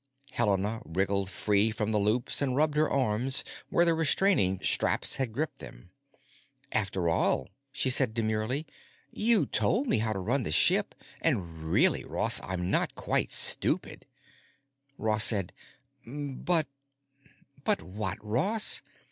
Helena wriggled free from the loops and rubbed her arms where the retaining straps had gripped them. "After all," she said demurely, "you told me how to run the ship, and really, Ross, I'm not quite stupid." Ross said, "But——" "But what, Ross?